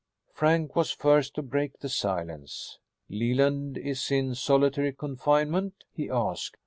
Frank was first to break the silence. "Leland is in solitary confinement?" he asked.